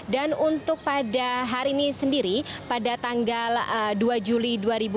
dan untuk pada hari ini sendiri pada tanggal dua juli dua ribu enam belas